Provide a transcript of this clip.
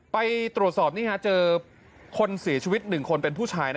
ไปตรวจสอบนี่ฮะเจอคนเสียชีวิต๑คนเป็นผู้ชาย